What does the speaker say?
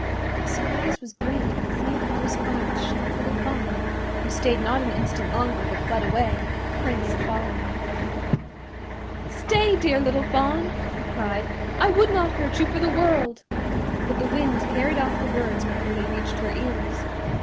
His surprise was great at seeing close by the shy little Fawn, who stayed not an instant longer but fled away, the Prince following. "Stay, dear little Fawn," he cried, "I would not hurt you for the world." But the wind carried off the words before they reached her ears.